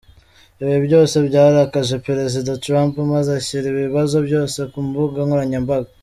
Ibi byose byarakaje Perezida Trump maze ashyira ibibazo byose ku mbuga nkoranyambaga.